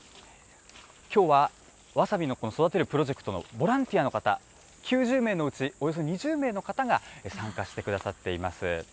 きょうはわさびのこの育てるプロジェクトのボランティアの方、９０名のうちおよそ２０名の方が参加してくださっています。